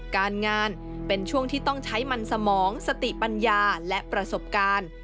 การงานเป็นช่วงที่ต้องใช้มันสมองสติปัญญาและประสบการณ์